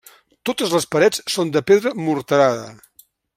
Totes les parets són de pedra morterada.